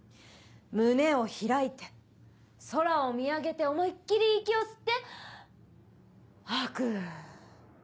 胸を開いて空を見上げて思いっ切り息を吸って吐く。